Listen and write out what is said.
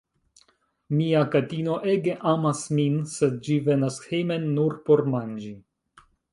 Mia katino ege amas min, sed ĝi venas hejmen nur por manĝi.